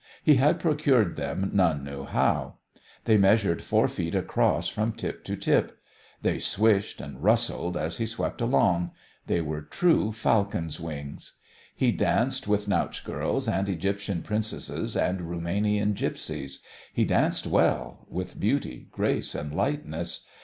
He had procured them none knew how. They measured four feet across from tip to tip; they swished and rustled as he swept along; they were true falcons' wings. He danced with Nautch girls and Egyptian princesses and Rumanian Gipsies; he danced well, with beauty, grace, and lightness.